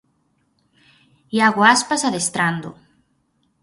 Iago Aspas adestrando.